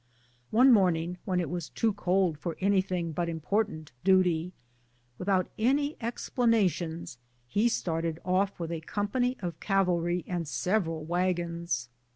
One morning, when it was too cold for anything but impor tant duty, without any explanations he started off witli a company of cavalry and several wagons.